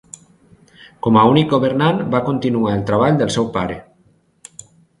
Com a "únic governant" va continuar el treball del seu pare.